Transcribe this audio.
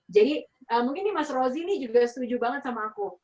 mungkin nih mas rozi nih juga setuju banget sama aku